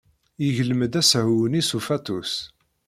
Yeglem-d asehwu-nni s ufatus.